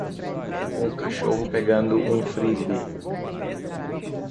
Um cachorro pegando um frisbee.